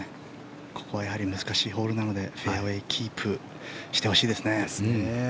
ここはやはり難しいホールなのでフェアウェーキープしてほしいですね。